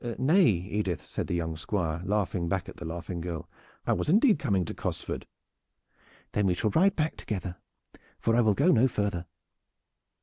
"Nay, Edith," said the young Squire, laughing back at the laughing girl. "I was indeed coming to Cosford." "Then we shall ride back together, for I will go no farther.